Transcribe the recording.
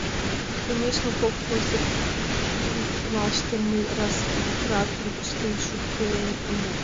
Конечно, кок тылзе гутлаште мый растратым ыштен шуктен омыл.